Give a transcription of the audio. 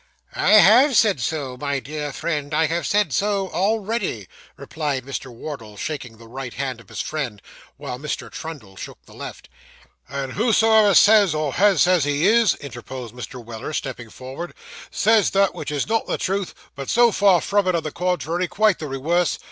'I have said so, my dear friend. I have said so already,' replied Mr. Wardle, shaking the right hand of his friend, while Mr. Trundle shook the left. 'And whoever says, or has said, he is,' interposed Mr. Weller, stepping forward, 'says that which is not the truth, but so far from it, on the contrary, quite the rewerse.